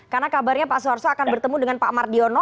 karena kabarnya pak arso akan bertemu dengan pak mardiono